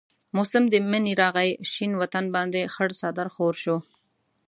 موسم د منی راغي شين وطن باندي خړ څادر خور شو